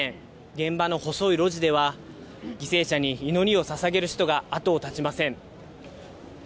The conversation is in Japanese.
現場の細い路地では、犠牲者に祈りをささげる人が後を絶ちません。